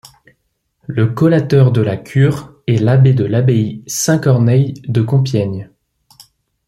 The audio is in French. Le collateur de la cure est l'abbé de l'abbaye Saint-Corneille de Compiègne.